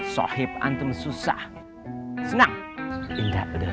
seneng seneng tertawa riang dan gembira